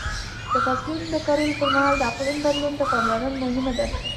د فصلونو د کرلو پر مهال د اقلیم بدلون ته پاملرنه مهمه ده.